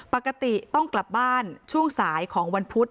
ปกติต้องกลับบ้านช่วงสายของวันพุธ